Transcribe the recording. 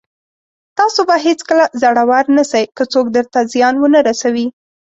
تاسو به هېڅکله زړور نسٸ، که څوک درته زيان ونه رسوي.